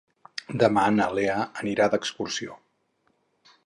Demà na Lea anirà d'excursió.